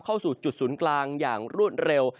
เข้าสู่จุดศูนย์กลางอย่างรวดเร็ว